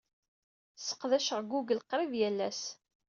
Sseqdaceɣ Google qrib yal ass.